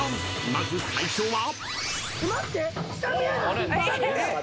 ［まず最初は］